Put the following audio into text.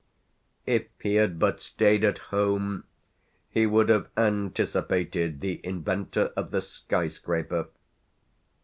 If he had but stayed at home he would have anticipated the inventor of the sky scraper.